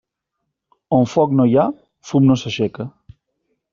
On foc no hi ha, fum no s'aixeca.